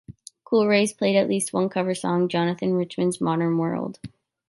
Cool Rays played at least one cover song: Jonathan Richman's "Modern World".